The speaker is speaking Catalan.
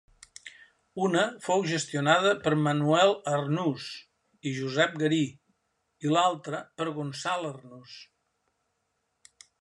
Una fou gestionada per Manuel Arnús i Josep Garí i l'altra per Gonçal Arnús.